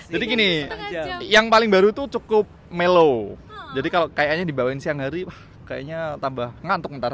jadi gini yang paling baru itu cukup mellow jadi kalau kayaknya dibawain siang hari kayaknya tambah ngantuk ntar